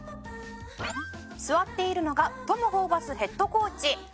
「座っているのがトム・ホーバスヘッドコーチ」